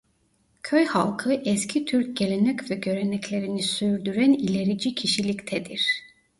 Köy halkı eski Türk gelenek ve göreneklerini sürdüren ilerici kişiliktedir.